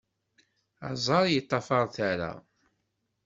Aẓar yeṭṭafar tara.